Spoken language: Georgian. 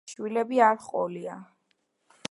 შვილები არ ჰყოლია.